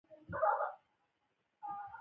د ماشو په هکله نور معلومات.